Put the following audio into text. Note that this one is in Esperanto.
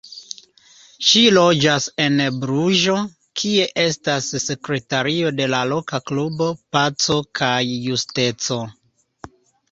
Ŝi loĝas en Bruĝo, kie estas sekretario de la loka klubo Paco kaj Justeco.